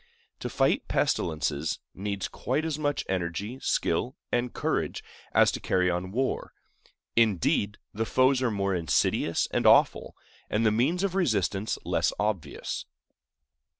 To fight pestilences needs quite as much energy, skill, and courage as to carry on war; indeed, the foes are more insidious and awful, and the means of resistance less obvious.